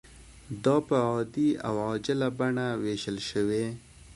دا په عادي او عاجله بڼه ویشل شوې.